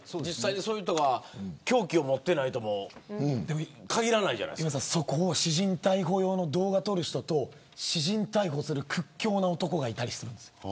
そういう人が凶器を持っていないとも私人逮捕用の動画を撮る人と私人逮捕する屈強な男がいたりするんです。